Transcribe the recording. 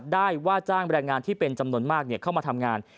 ว่าจ้างแรงงานที่เป็นจำนวนมากเข้ามาทำงาน